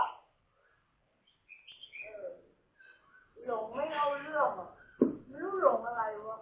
ลงไม่เล่าเรื่องอ่ะไม่รู้ลงอะไรวะ